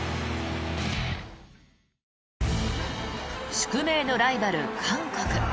宿命のライバル、韓国。